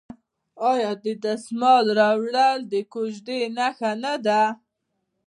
آیا د دسمال راوړل د کوژدې نښه نه ده؟